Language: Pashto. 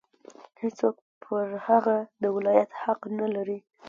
هېڅوک پر هغه د ولایت حق نه لري.